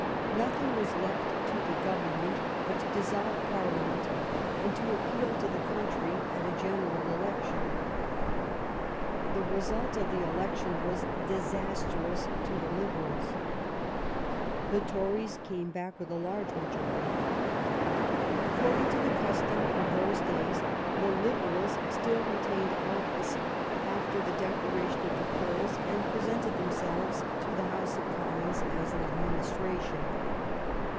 Nothing was left to the Govern ment but to dissolve Parliament and to appeal to the country at a general election. The result of the election w^as disastrous to the Liberals. The Tories came back with a large majority. According to the custom of those days, the Lib erals still retained office after the declaration of the polls, and presented themselves to the House of Commons as an administration.